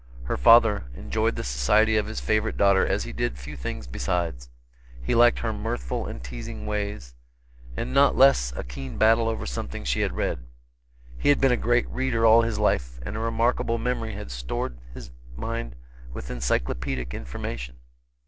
Her father enjoyed the society of his favorite daughter as he did few things besides; he liked her mirthful and teasing ways, and not less a keen battle over something she had read. He had been a great reader all his life, and a remarkable memory had stored his mind with encyclopaedic information.